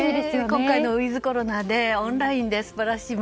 今回のウィズコロナでオンラインで素晴らしい。